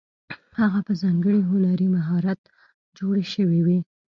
هغه په ځانګړي هنري مهارت جوړې شوې وې.